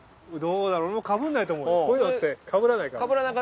・どうだろう俺もかぶんないと思うよこういうのってかぶらないから。